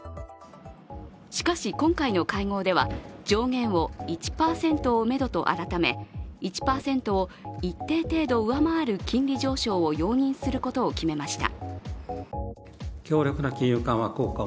しかし、今回の会合では上限を１％をめどと改め１％を一定程度上回る金利上昇を容認することを決めました。